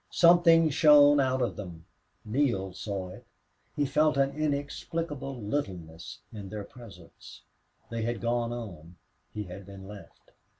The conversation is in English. Something shone out of them. Neale saw it. He felt an inexplicable littleness in their presence. They had gone on; he had been left.